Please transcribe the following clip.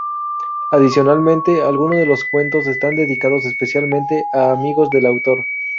Adicionalmente, algunos de los cuentos están dedicados especialmente a amigos del autor.